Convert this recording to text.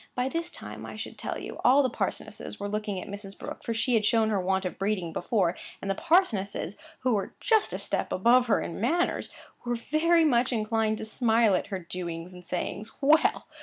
By this time, I should tell you, all the parsonesses were looking at Mrs. Brooke, for she had shown her want of breeding before; and the parsonesses, who were just a step above her in manners, were very much inclined to smile at her doings and sayings. Well!